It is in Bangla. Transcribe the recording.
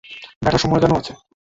ব্যাটার সময়জ্ঞানও আছে।